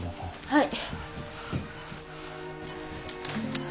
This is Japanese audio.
はい。